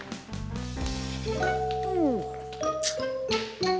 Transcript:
mami sudah putuskan